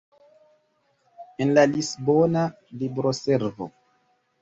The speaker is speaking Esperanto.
En la Lisbona libroservo.